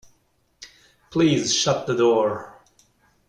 Please shut the door.